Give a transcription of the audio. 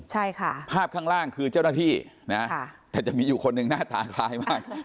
ใช่ค่ะภาพข้างล่างคือเจ้าหน้าที่นะแต่จะมีอยู่คนหนึ่งหน้าตาคล้ายมาก